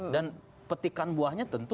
dan petikan buahnya tentu